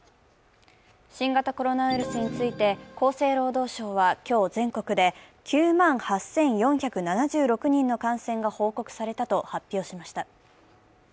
新型コロナウイルスについて厚生労働省は今日、全国で９万８４７６人の感染が報告されたと発表しました。